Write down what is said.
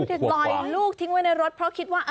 ปล่อยลูกทิ้งไว้ในรถเพราะคิดว่า